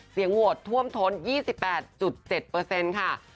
โหวตท่วมท้น๒๘๗ค่ะ